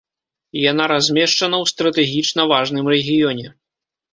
Яна размешчана ў стратэгічна важным рэгіёне.